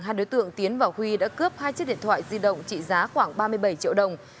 hai đối tượng tiến và huy đã cướp hai chiếc điện thoại di động trị giá khoảng ba mươi bảy triệu đồng